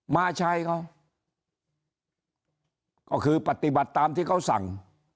มาใช้เขาก็คือปฏิบัติตามที่เขาสั่ง